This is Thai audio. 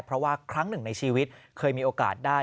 เพราะว่าครั้งหนึ่งในชีวิตเคยมีโอกาสได้